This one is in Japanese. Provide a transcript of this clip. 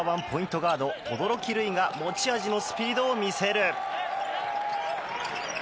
ガード、轟琉維が持ち味のスピードを見せる！